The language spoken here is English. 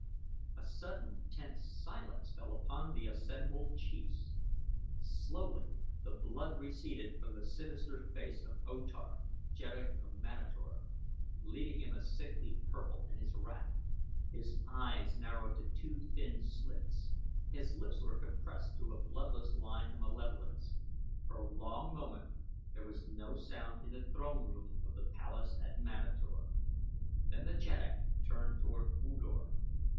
A sudden, tense silence fell upon the assembled chiefs. Slowly the blood receded from the sinister face of O Tar, Jeddak of Manator, leaving him a sickly purple in his wrath. His eyes narrowed to two thin slits, his lips were compressed to a bloodless line of malevolence. For a long moment there was no sound in the throne room of the palace at Manator. Then the jeddak turned toward U Dor.